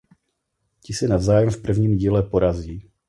Ti se navzájem v prvním díle porazí.